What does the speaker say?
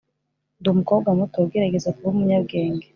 ndi umukobwa muto ugerageza kuba umunyabwenge.